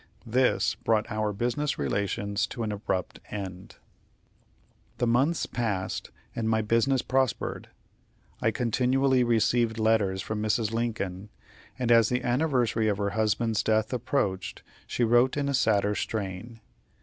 This brought our business relations to an abrupt end. The months passed, and my business prospered. I continually received letters from Mrs. Lincoln, and as the anniversary of her husband's death approached, she wrote in a sadder strain.